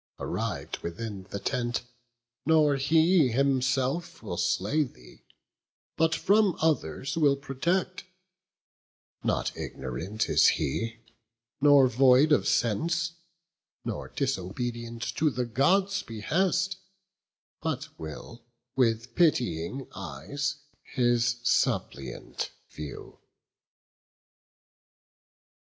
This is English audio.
Arriv'd within the tent, nor he himself Will slay thee, but from others will protect; Not ignorant is he, nor void of sense, Nor disobedient to the Gods' behest, But will with pitying eyes his suppliant view."